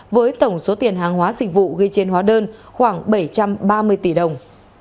với tổng số tiền hàng hóa dịch vụ ghi trên hóa đơn khoảng bảy trăm ba mươi tỷ đồng